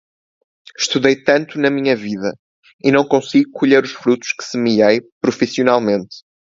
Estudei tanto na minha vida, e não consigo colher os frutos que semeei, profissionalmente.